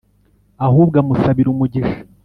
ahubwo amusabira umugisha.